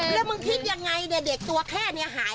แล้วมึงคิดยังไงเนี่ยเด็กตัวแค่นี้หาย